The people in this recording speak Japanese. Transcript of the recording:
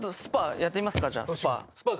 やってみますか？